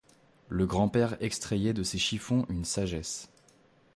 Le grand-père extrayait de ces chiffons une sagesse.